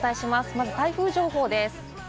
まずは台風情報です。